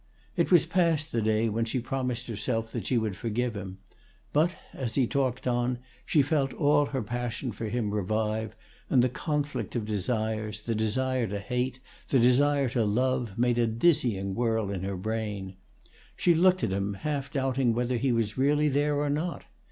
It was past the day when she promised herself she would forgive him; but as he talked on she felt all her passion for him revive, and the conflict of desires, the desire to hate, the desire to love, made a dizzying whirl in her brain. She looked at him, half doubting whether he was really there or not.